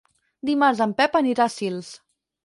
Dimarts en Pep anirà a Sils.